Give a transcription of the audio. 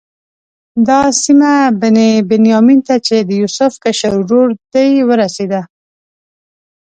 دا سیمه بني بنیامین ته چې د یوسف کشر ورور دی ورسېده.